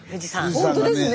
ほんとですね！